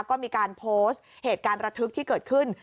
ก็มีการโพสต์เหตุการณ์ระทึกที่เกิดขึ้น